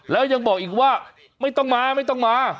แล้วยังบอกอีกว่าไม่ต้องมาไม่ต้องมา